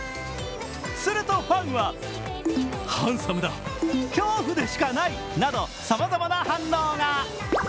するとファンは、ハンサムだ、恐怖でしかないなどさまざまな反応が。